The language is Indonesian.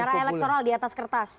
secara elektoral di atas kertas